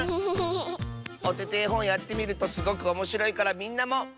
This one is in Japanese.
「おててえほん」やってみるとすごくおもしろいからみんなも。